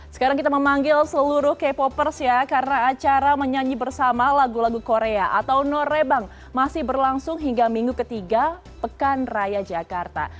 sekarang kita memanggil seluruh k popers ya karena acara menyanyi bersama lagu lagu korea atau norebang masih berlangsung hingga minggu ketiga pekan raya jakarta